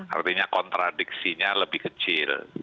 artinya kontradiksinya lebih kecil